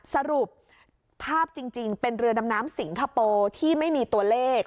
สรุปภาพจริงเป็นเรือดำน้ำสิงคโปร์ที่ไม่มีตัวเลข